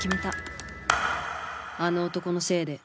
あの男のせいで